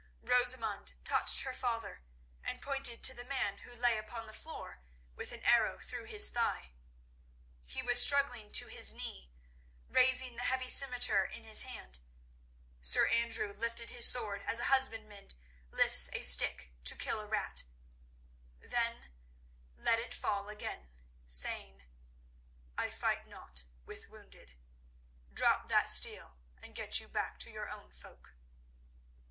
Rosamund touched her father and pointed to the man who lay upon the floor with an arrow through his thigh. He was struggling to his knee, raising the heavy scimitar in his hand. Sir Andrew lifted his sword as a husbandman lifts a stick to kill a rat, then let it fall again, saying: "I fight not with the wounded. Drop that steel, and get you back to your own folk."